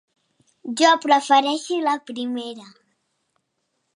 Jo prefereixo la primera.